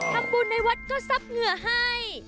ทำบุญในวัดก็ซับเหงื่อให้